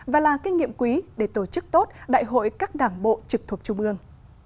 và là kinh nghiệm quý để tổ chức tốt đại hội các đảng bộ trực thuộc trung ương